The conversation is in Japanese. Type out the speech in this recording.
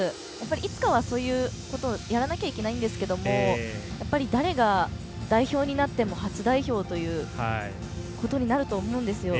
いつかは、そういうことをやらなきゃいけないんですけど誰が代表になっても初代表ということになると思うんですよ。